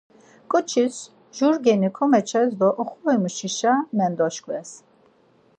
Ǩoçis jur mgeni komeçes do oxorimuşişa mendaşkves.